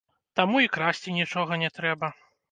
Таму і красці нічога не трэба.